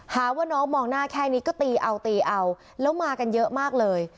หาว่าน้องมองหน้าแค่นี้ก็ตีเอาตีเอาแล้วมากันเยอะมากเลย